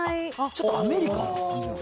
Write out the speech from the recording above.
ちょっとアメリカンな感じなんだ。